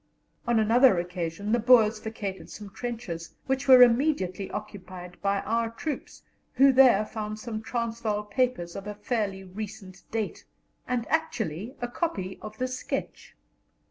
On another occasion the Boers vacated some trenches, which were immediately occupied by our troops, who there found some Transvaal papers of a fairly recent date, and actually a copy of the Sketch.